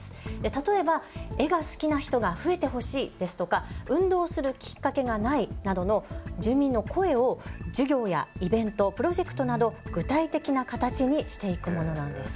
例えば、絵が好きな人が増えてほしいですとか運動するきっかけがないなどの住民の声を授業やイベント、プロジェクトなど具体的な形にしていくものなんです。